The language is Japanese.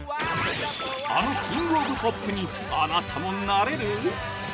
あのキング・オブ・ポップにあなたもなれる？